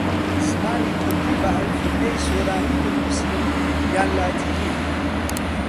زمانی کوردی بە ئەلفوبێی سۆرانی بنووسین یان لاتینی؟